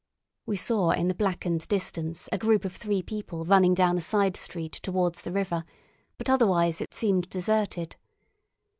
We saw in the blackened distance a group of three people running down a side street towards the river, but otherwise it seemed deserted.